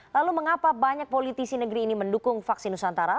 lalu mengapa banyak politisi negeri ini mendukung vaksin nusantara